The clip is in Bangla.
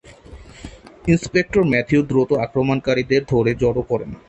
ইন্সপেক্টর ম্যাথিউ দ্রুত আক্রমণকারীদের ধরে জড়ো করেন।